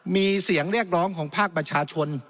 มีเสียงเรียกร้องของภาคประชาชน